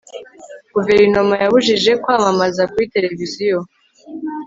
guverinoma yabujije kwamamaza kuri televiziyo